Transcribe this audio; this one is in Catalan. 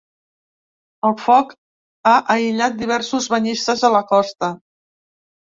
El foc ha aïllat diversos banyistes a la costa.